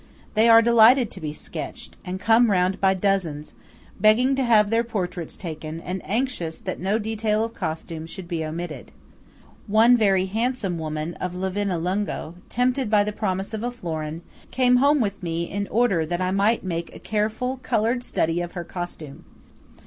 They are delighted to be sketched, and come round by dozens, begging to have their portraits taken, and anxious that no detail of costume should be omitted. One very handsome woman of Livinallungo, tempted by the promise of a florin, came home with me in order that I might make a careful coloured study of her costume.